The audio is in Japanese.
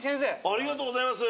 ありがとうございます。